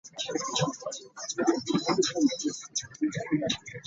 Data is unreliable on the precise proportion of Nilgiri tea that is actually exported.